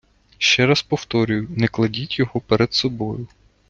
Ще раз повторюю, не кладіть його перед собою!